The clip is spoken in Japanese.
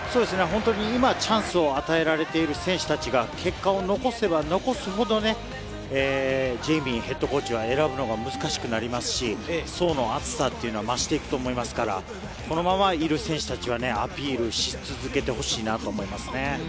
今チャンスを与えられている選手たちが結果を残せば残すほど、ジェイミーヘッドコーチは選ぶのが難しくなりますし、層の厚さというのは増していくと思いますから、このままいる選手たちはアピールし続けてほしいなと思いますね。